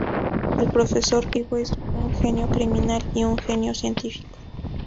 El profesor Ivo es un genio criminal y un genio científico.